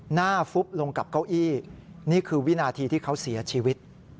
ฟุบลงกับเก้าอี้นี่คือวินาทีที่เขาเสียชีวิต